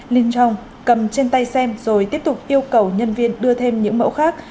liên trong cầm trên tay xem rồi tiếp tục yêu cầu nhân viên đưa thêm những mẫu khác